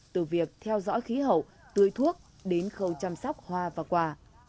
từ việc theo dõi khí hậu tươi thuốc đến khâu chăm sóc hoa và quà